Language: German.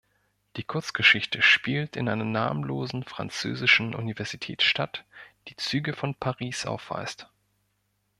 Die Kurzgeschichte spielt in einer namenlosen französischen Universitätsstadt, die Züge von Paris aufweist.